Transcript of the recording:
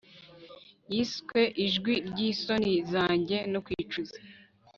yiswe ijwi ryisoni zanjye no kwicuza